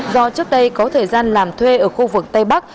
do trước đây có thời gian làm thuê ở khu vực tây bắc